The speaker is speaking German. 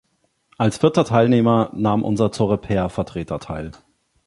Als vierter Teilnehmer nahm unser Coreper-Vertreter teil.